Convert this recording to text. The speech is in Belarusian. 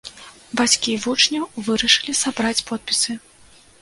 Бацькі вучняў вырашылі сабраць подпісы.